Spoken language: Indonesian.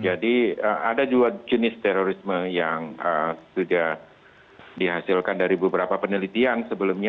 jadi ada dua jenis terorisme yang sudah dihasilkan dari beberapa penelitian sebelumnya